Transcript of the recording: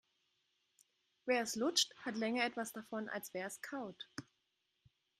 Wer es lutscht, hat länger etwas davon, als wer es kaut.